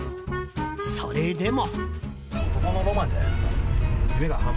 それでも。